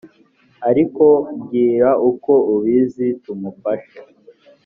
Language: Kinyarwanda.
ariko mbwira uko ubizi tumufashe